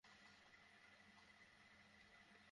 Police পাল্টা গুলি ছুড়লে আগে অবধারিতভাবে আটক হওয়া আসামি নিহত হয়।